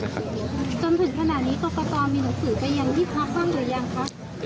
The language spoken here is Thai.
จนถึงขณะนี้กรกตมีหนังสือไปยังที่พักบ้างหรือยังคะ